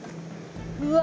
うわ。